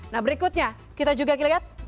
nah berikutnya kita juga lihat